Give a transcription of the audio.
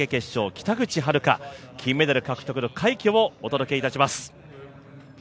北口榛花、金メダル獲得の快挙をお届けします。